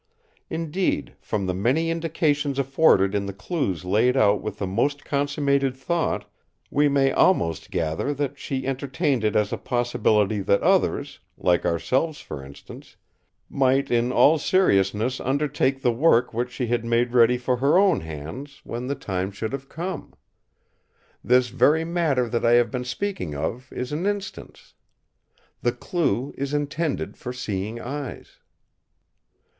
Indeed, from the many indications afforded in the clues laid out with the most consummated thought, we may almost gather that she entertained it as a possibility that others—like ourselves, for instance—might in all seriousness undertake the work which she had made ready for her own hands when the time should have come. This very matter that I have been speaking of is an instance. The clue is intended for seeing eyes!"